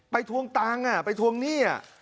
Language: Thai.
ไปทวงตังไปทวงนี่